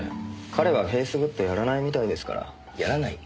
彼はフェイスグッドやらないみたいですから。やらない？